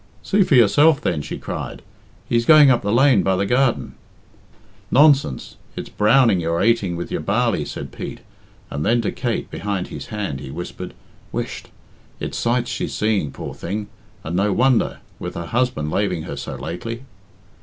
"See for yourself, then," she cried, "he's going up the lane by the garden." "Nonsense! it's browning you're ateing with your barley," said Pete; and then to Kate, behind his hand, he whispered, "Whisht! It's sights she's seeing, poor thing and no wonder, with her husband laving her so lately."